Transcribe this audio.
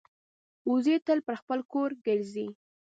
وزې تل پر خپل کور ګرځي